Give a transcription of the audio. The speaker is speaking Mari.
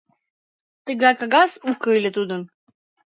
Тыгай кагаз уке ыле тудын.